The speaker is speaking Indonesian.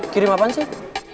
kirim apaan sih